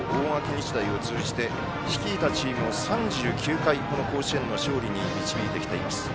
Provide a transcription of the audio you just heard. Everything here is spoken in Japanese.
日大を通じて率いたチームを３９回、甲子園の勝利に導いてきています。